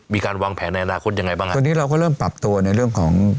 มีการวางแผนในอนาคตยังไงบ้างฮะตอนนี้เราก็เริ่มปรับตัวในเรื่องของ